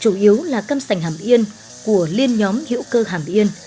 chủ yếu là cam sành hàm yên của liên nhóm hiệu cơ hàm yên